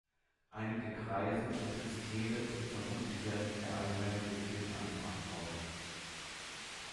Einige Kreise und Triskele sind vermutlich während der Einweihung der Kirche angebracht worden.